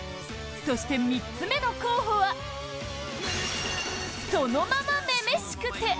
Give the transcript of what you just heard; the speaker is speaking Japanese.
そして３つ目の候補はそのまま「女々しくて」